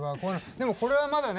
でもこれはまだね